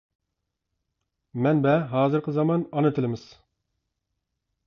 مەنبە : ھازىرقى زامان ئانا تىلىمىز!